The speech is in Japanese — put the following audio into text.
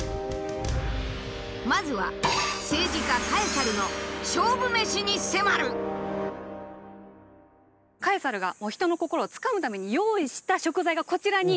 まずはカエサルが人の心をつかむために用意した食材がこちらに入っています。